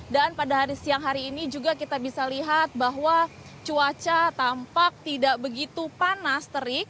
dan pada siang hari ini juga kita bisa lihat bahwa cuaca tampak tidak begitu panas terik